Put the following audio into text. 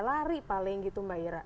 lari paling gitu mbak ira